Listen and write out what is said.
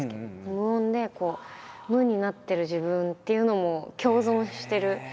無音でこう無になってる自分っていうのも共存してる感じがありますね。